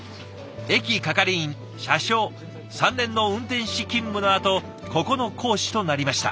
駅係員車掌３年の運転士勤務のあとここの講師となりました。